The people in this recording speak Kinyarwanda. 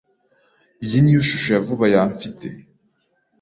Iyi niyo shusho ya vuba ya mfite.